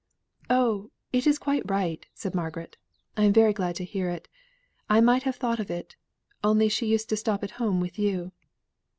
"Oh! it is quite right," said Margaret. "I am very glad to hear it. I might have thought of it. Only she used to stop at home with you."